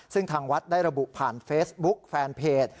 ซึ่งทางวัดได้ระบุผ่านเฟซบุ๊กแฟนเพจ